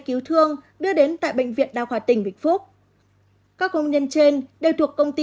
cứu thương đưa đến tại bệnh viện đa khoa tỉnh vĩnh phúc các công nhân trên đều thuộc công ty